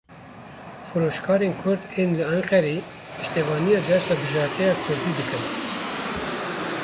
Firoşkarên Kurd ên li Enqereyê piştevaniya dersa bijarte ya kurdî dikin.